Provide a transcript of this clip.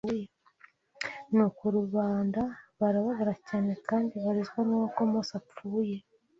Nuko rubanda barababara cyane kandi barizwa n’uko Mose apfuye